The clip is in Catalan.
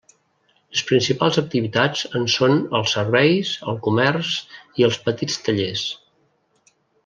Les principals activitats en són els serveis, el comerç i els petits tallers.